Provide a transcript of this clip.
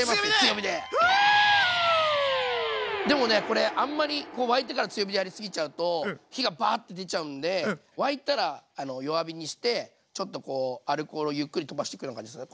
でもねこれあんまり沸いてから強火でやりすぎちゃうと火がバーッと出ちゃうんで沸いたら弱火にしてちょっとこうアルコールをゆっくり飛ばしていくような感じですね。